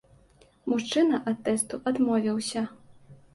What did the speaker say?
Мужчына ад тэсту адмовіўся.